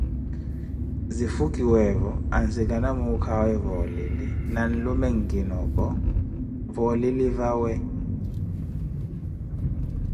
Zifukuwiyeewo, ansikana muukawe va oulili na nlume nkinoko va olili vawe.